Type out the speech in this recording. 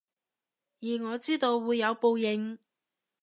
而我知道會有報應